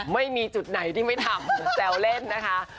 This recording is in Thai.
ไม่มีจุดไหนที่ไม่ทำแซวเล่นนะคะ